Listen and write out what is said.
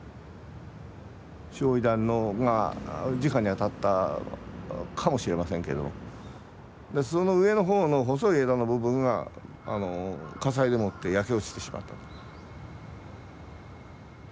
焼夷弾がじかに当たったかもしれませんけどその上のほうの細い枝の部分が火災でもって焼け落ちてしまったと。